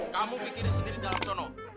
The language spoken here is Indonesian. kamu pikirin sendiri dalam sono